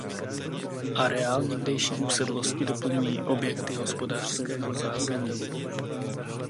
Areál někdejší usedlosti doplňují objekty hospodářského zázemí.